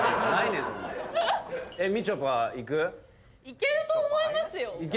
いけると思いますよ。